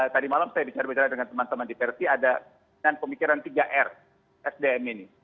tadi malam saya bicara bicara dengan teman teman di persi ada dengan pemikiran tiga r sdm ini